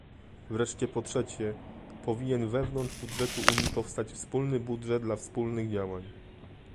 Wreszcie po trzecie, powinien wewnątrz budżetu Unii powstać wspólny budżet dla wspólnych działań